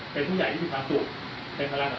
เป็นผู้ใหญ่ที่มีความสุขเป็นพลังของ